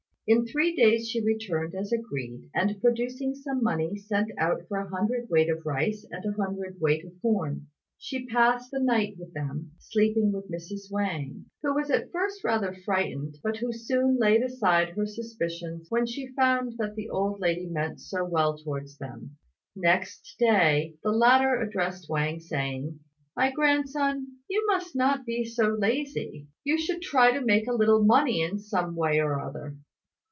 In three days she returned as agreed, and, producing some money, sent out for a hundred weight of rice and a hundred weight of corn. She passed the night with them, sleeping with Mrs. Wang, who was at first rather frightened, but who soon laid aside her suspicions when she found that the old lady meant so well towards them. Next day, the latter addressed Wang, saying, "My grandson, you must not be so lazy. You should try to make a little money in some way or other."